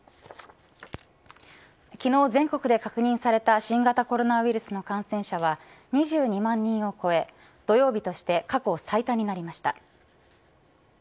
昨日全国で確認された新型コロナウイルスの感染者は２２万人を超え土曜日として過去最多になりました。